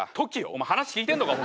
お前話聞いてんのか？